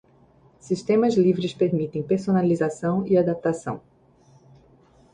Sistemas livres permitem personalização e adaptação.